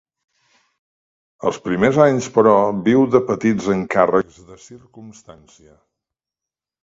Els primers anys, però, viu de petits encàrrecs de circumstància.